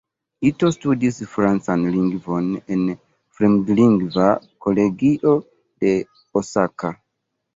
Ito studis francan lingvon en fremdlingva kolegio de Osaka.